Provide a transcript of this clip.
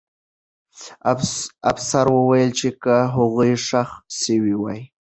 افسر وویل چې که هغوی ښخ سوي وای.